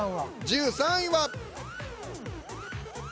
１３位は。